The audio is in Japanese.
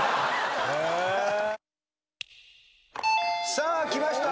さあきました。